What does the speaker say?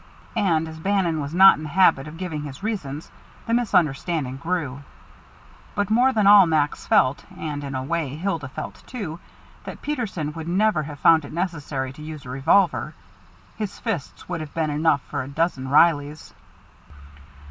And as Bannon was not in the habit of giving his reasons, the misunderstanding grew. But more than all Max felt, and in a way Hilda felt, too, that Peterson would never have found it necessary to use a revolver; his fists would have been enough for a dozen Reillys.